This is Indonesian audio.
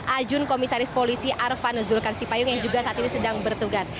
ajun komisaris polisi arvan zulkan sipayung yang juga saat ini sedang bertugas